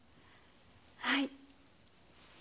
はい。